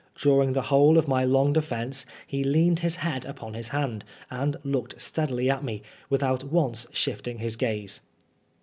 During the whole of my long defence he leaned his head upon his hand, and looked steadily at me, without once shifting his gaze.